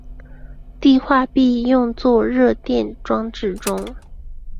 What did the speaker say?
碲化铋用作热电装置中。